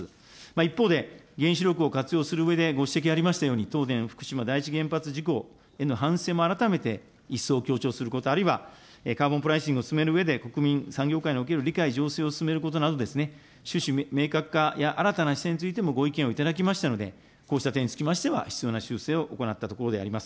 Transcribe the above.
一方で、原子力を活用するうえでご指摘ありましたように、東電福島第一原発事故の反省も改めて一層強調すること、あるいはカーボンプライシングを進めるうえで、国民、産業界の理解を進めることなどですね、趣旨明確化や新たな視点についても、ご意見を頂きましたので、こうした点につきましては、必要な修正を行ったところであります。